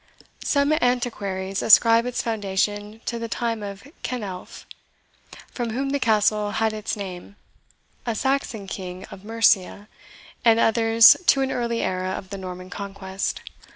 Some antiquaries ascribe its foundation to the time of Kenelph, from whom the Castle had its name, a Saxon King of Mercia, and others to an early era after the Norman Conquest.